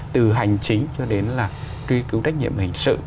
từ hành chính cho đến là truy cứu trách nhiệm hình sự